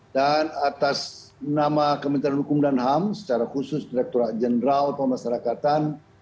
dan atas nama kementerian hukum dan ham secara khusus direkturat jenderal pemasarakatan